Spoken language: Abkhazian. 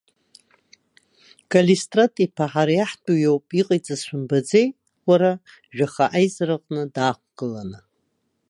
Калистрат иԥа ҳара иаҳтәу иоуп, иҟаиҵаз шәымбаӡеи, уара, жәаха аизараҟны даақәгыланы?